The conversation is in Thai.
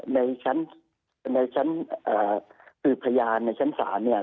ในชั้นในชั้นคือพยานในชั้นสาร์เนี่ย